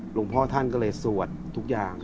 หลวงพ่อท่านก็เลยสวดทุกอย่าง